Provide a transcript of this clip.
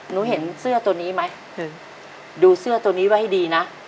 หนูเห็นเสื้อตัวนี้ไหมหนูดูเสื้อตัวนี้ไว้ให้ดีนะ